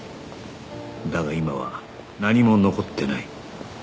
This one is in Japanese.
だが今は何も残ってない